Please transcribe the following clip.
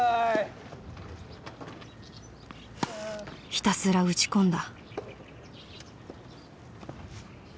ひたすら打ち込んだ。